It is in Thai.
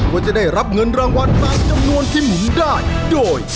ว่าจะได้รับเงินรางวัลตามจำนวนที่หมุนได้โดย